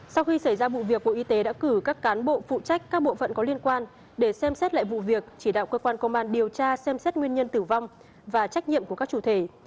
sau khi xảy ra vụ việc bộ y tế đã cử các cán bộ phụ trách các bộ phận có liên quan để xem xét lại vụ việc chỉ đạo cơ quan công an điều tra xem xét nguyên nhân tử vong và trách nhiệm của các chủ thể